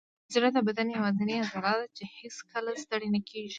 زړه د بدن یوازینی عضله ده چې هیڅکله ستړې نه کېږي.